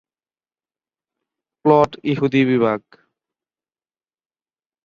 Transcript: Plot ইহুদি বিভাগ।